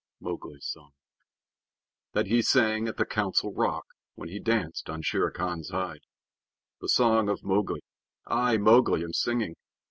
Mowgli's Song THAT HE SANG AT THE COUNCIL ROCK WHEN HE DANCED ON SHERE KHAN'S HIDE The Song of Mowgli I, Mowgli, am singing.